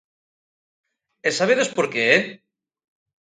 E sabedes por que é?